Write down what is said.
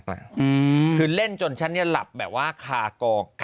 คือเล่นจนฉันเนี่ยหลับแบบว่าคากอง